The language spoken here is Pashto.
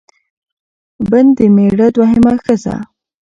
بن د مېړه دوهمه ښځه